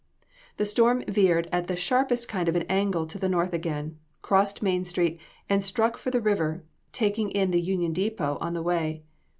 "The storm veered at the sharpest kind of an angle to the north again, crossed Main street, and struck for the river, taking in the Union Depot on the way.